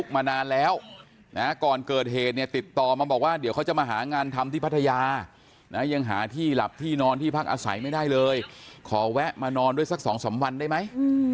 มานานแล้วนะก่อนเกิดเหตุเนี่ยติดต่อมาบอกว่าเดี๋ยวเขาจะมาหางานทำที่พัทยายังหาที่หลับที่นอนที่พักอาศัยไม่ได้เลยขอแวะมานอนด้วยสัก๒๓วันได้ไหม